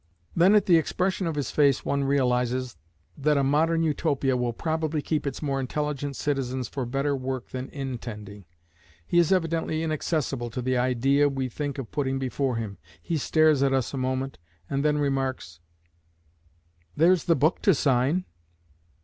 Then at the expression of his face one realises that a Modern Utopia will probably keep its more intelligent citizens for better work than inn tending. He is evidently inaccessible to the idea we think of putting before him. He stares at us a moment, and then remarks, "There's the book to sign."